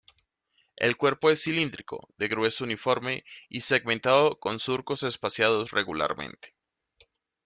El cuerpo es cilíndrico, de grueso uniforme, y segmentado con surcos espaciados regularmente.